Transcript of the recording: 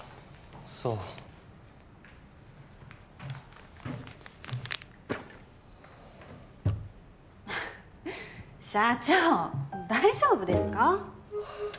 そう社長大丈夫ですか？